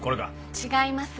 違います。